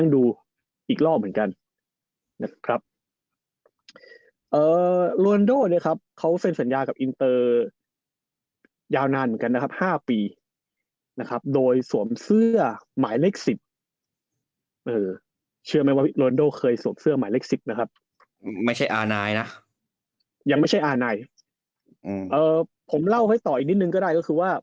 ดูอีกรอบเหมือนกันนะครับเอ่อโคร